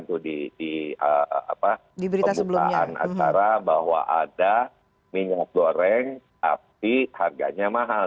itu di pembukaan acara bahwa ada minyak goreng tapi harganya mahal